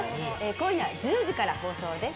今夜１０時から放送です。